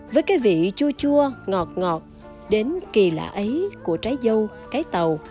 với cái vị chua chua ngọt đến kỳ lạ ấy của trái dâu cái tàu